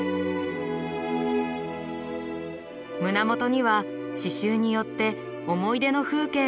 胸元には刺しゅうによって思い出の風景がよみがえりました。